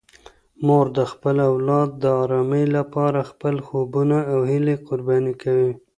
مور د خپل اولاد د ارامۍ لپاره خپل خوبونه او هیلې قرباني کوي.